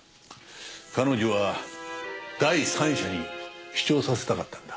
彼女は第三者に主張させたかったんだ。